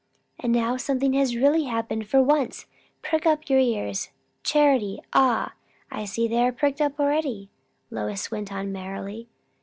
"And now something has really happened for once. Prick up your ears, Charity! Ah, I see they are pricked up already," Lois went on merrily.